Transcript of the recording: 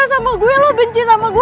suruh suruh beta lagi